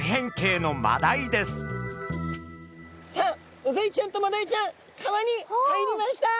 さあウグイちゃんとマダイちゃん川に入りました！